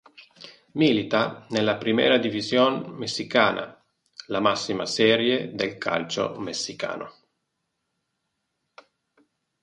Milita nella Primera División messicana, la massima serie del calcio messicano.